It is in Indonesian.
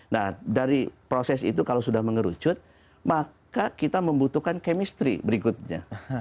nah dari proses itu kalau sudah mengerucut maka kita membutuhkan chemistry berikutnya